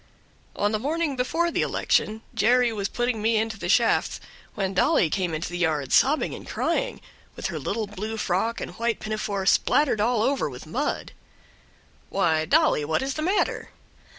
On the morning before the election, Jerry was putting me into the shafts, when Dolly came into the yard sobbing and crying, with her little blue frock and white pinafore spattered all over with mud. "Why, Dolly, what is the matter?"